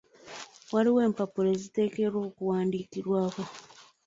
Waliwo empapula eziteekeddwa okuwandiikibwako.